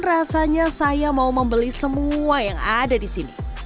rasanya saya mau membeli semua yang ada disini